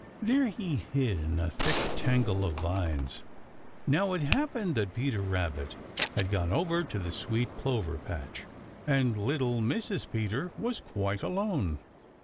There he hid in a thick tangle of vines. Now it happened that Peter Rabbit had gone over to the sweet clover patch, and little Mrs. Peter was quite alone.